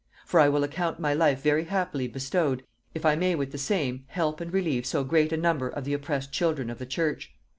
For I will account my life very happily bestowed, if I may with the same help and relieve so great a number of the oppressed children of the Church....